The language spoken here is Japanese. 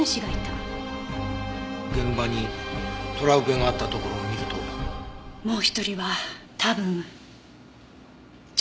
現場にトラウベがあったところを見るともう一人は多分助産師。